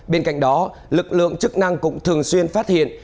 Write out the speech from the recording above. bên cạnh đó lực lượng chức năng cũng thường xuyên phát hiện